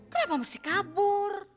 kenapa mesti kabur